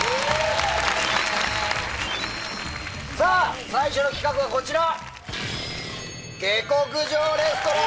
さぁ最初の企画はこちら！